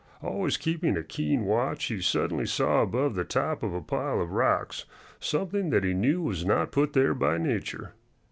Always keeping a keen watch, he suddenly saw above the top of a pile of rocks something that he knew was not put there by nature.